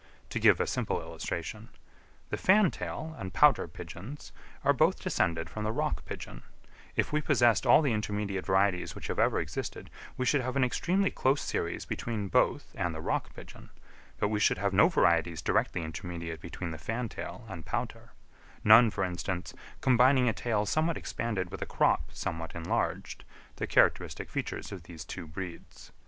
To give a simple illustration: the fantail and pouter pigeons are both descended from the rock pigeon; if we possessed all the intermediate varieties which have ever existed, we should have an extremely close series between both and the rock pigeon; but we should have no varieties directly intermediate between the fantail and pouter; none, for instance, combining a tail somewhat expanded with a crop somewhat enlarged, the characteristic features of these two breeds.